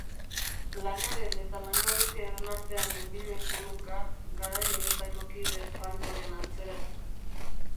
Lanaren eta langabeziaren artean nenbilen kulunka, garai honetako kide frankoren antzera.